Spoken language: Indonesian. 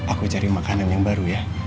aku cari makanan yang baru ya